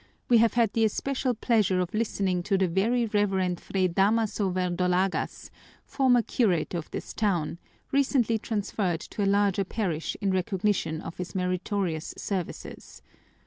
We have had the especial pleasure of listening to the Very Reverend Fray Damaso Verdolagas, former curate of this town, recently transferred to a larger parish in recognition of his meritorious services.